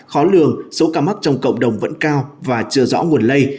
khó lường số ca mắc trong cộng đồng vẫn cao và chưa rõ nguồn lây